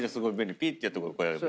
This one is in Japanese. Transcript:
ぴってやってこうやれば。